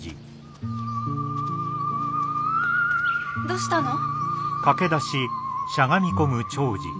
どうしたの？